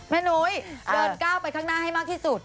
นุ้ยเดินก้าวไปข้างหน้าให้มากที่สุด